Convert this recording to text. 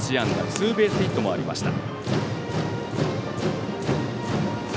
ツーベースヒットもありました。